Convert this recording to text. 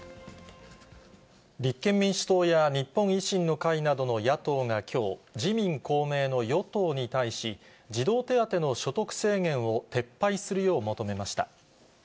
立憲民主党や日本維新の会などの野党がきょう、自民、公明の与党に対し、児童手当の所得制限を撤廃するよう求めました。